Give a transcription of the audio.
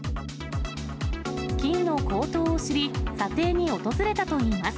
金の高騰を知り、査定に訪れたといいます。